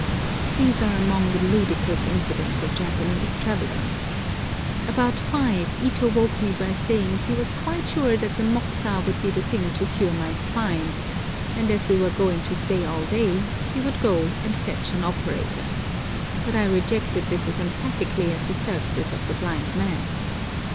These are among the ludicrous incidents of Japanese travelling. About five Ito woke me by saying he was quite sure that the moxa would be the thing to cure my spine, and, as we were going to stay all day, he would go and fetch an operator; but I rejected this as emphatically as the services of the blind man!